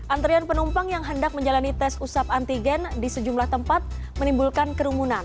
antrian penumpang yang hendak menjalani tes usap antigen di sejumlah tempat menimbulkan kerumunan